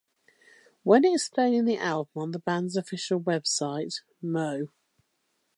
When explaining the album on the band's official website, moe.